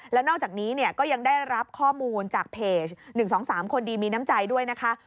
แล้วนอกจากนี้ก็ยังได้รับข้อมูลจากเพจ๑๒๓คนดีมีน้ำใจด้วยนะคะ